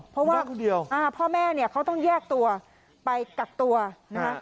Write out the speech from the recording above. เพราะว่าพ่อแม่เนี่ยเขาต้องแยกตัวไปกักตัวนะคะ